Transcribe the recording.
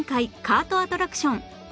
カートアトラクション